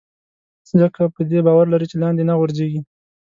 ځکه په دې باور لري چې لاندې نه غورځېږي.